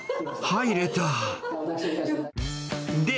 入れた。